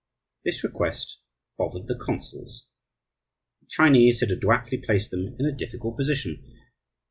This request bothered the consuls. The Chinese had adroitly placed them in a difficult position.